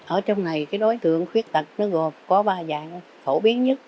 ở trong này đối tượng khuyết tực gồm có ba dạng phổ biến nhất